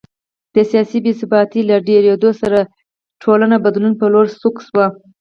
د سیاسي بې ثباتۍ له ډېرېدو سره ټولنه بدلون په لور سوق شوه